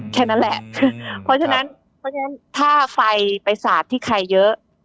แค่นั้นแหละเพราะฉะนั้นถ้าไฟไปสาดที่ไขเยอะ